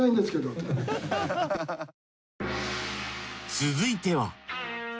続いては。